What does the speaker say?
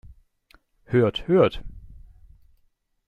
Hört, hört!